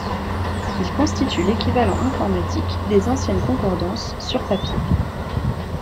Il constitue l'équivalent informatique des anciennes concordances sur papier.